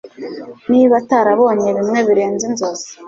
Niba atarabonye bimwe birenze inzozi